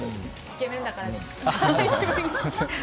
イケメンだからです。